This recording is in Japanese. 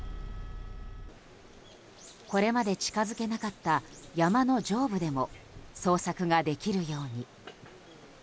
これまで近づけなかった山の上部でも捜索ができるように。